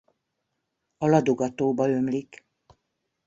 A Ladoga-tóba ömlik.